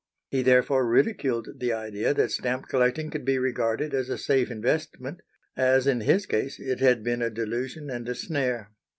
He therefore ridiculed the idea that stamp collecting could be regarded as a safe investment, as in his case it had been a delusion and a snare.